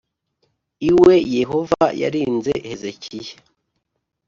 iwe yehova yarinze hezekiya